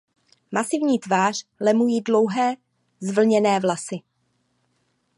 Masivní tvář lemují dlouhé zvlněné vlasy.